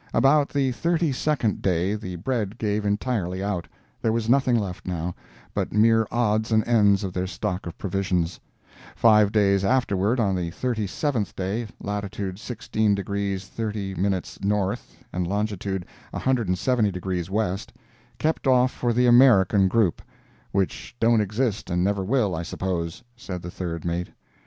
About the thirty second day the bread gave entirely out. There was nothing left, now, but mere odds and ends of their stock of provisions. Five days afterward, on the thirty seventh day—latitude 16 degrees 30' north, and longitude 170 degrees west—kept off for the "American group"—"which don't exist and never will, I suppose," said the third mate.